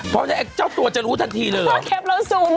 พอเจ้าตัวจะรู้ทันทีเลยหรือแคปเราซูมด้วย